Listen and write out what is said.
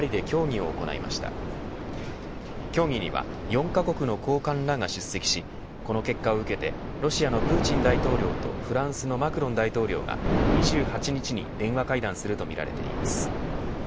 協議には４カ国の高官らが出席しこの結果を受けてロシアのプーチン大統領とフランスのマクロン大統領が２８日に電話会談するとみられています。